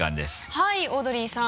はいオードリーさん。